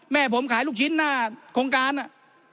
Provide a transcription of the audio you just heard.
แม่ผมขายลูกชิ้นหน้าโครงการน่ะ